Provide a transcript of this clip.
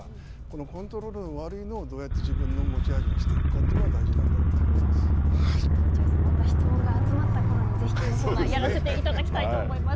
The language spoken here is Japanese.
コントロールの悪いのをどうやって自分の持ち味にしてくるのかというのが落合さん、また質問が集まったころにぜひこのコーナーやらせていただきたいと思います。